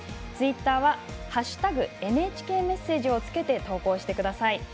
ツイッターは「＃ＮＨＫメッセージ」をつけて投稿してください。